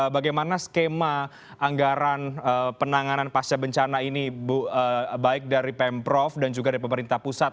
bagaimana skema anggaran penanganan pasca bencana ini baik dari pemprov dan juga dari pemerintah pusat